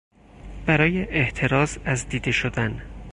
برای احتراز از دیده شدن